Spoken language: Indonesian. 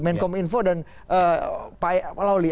menkom info dan pak lauli